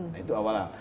nah itu awal awal